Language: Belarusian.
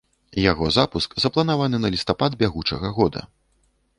Яго запуск запланаваны на лістапад бягучага года.